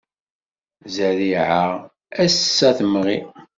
Zzeriεa ass-a temɣi.